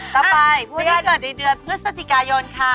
ต่อไปผู้ที่เกิดในเดือนพฤศจิกายนค่ะ